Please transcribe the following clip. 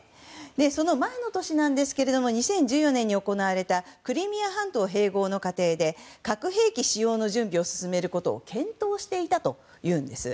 その前の年なんですが２０１４年に行われたクリミア半島併合の過程で核兵器使用の準備を進めることを検討していたというんです。